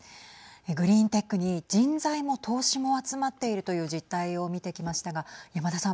グリーンテックに人材も投資も集まっているという実態を見てきましたが山田さん。